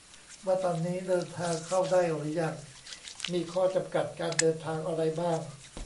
ว่าตอนนี้เดินทางเข้าได้หรือยัง มีข้อจำกัดการเดินทางอะไรบ้าง